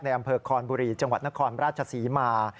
อำเภอคอนบุรีจังหวัดนครราชศรีมา